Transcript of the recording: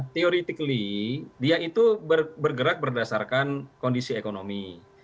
teoretically dia itu bergerak berdasarkan kondisi ekonomi